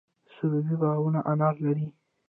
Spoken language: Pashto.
د سروبي باغونه انار لري.